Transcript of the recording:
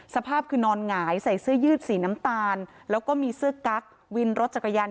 สภาพคือนอนหงายใส่เสื้อยืดสีน้ำตาลแล้วก็มีเสื้อกั๊กวินรถจักรยาน